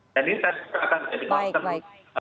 dan ini saya perhatikan jadi maksudnya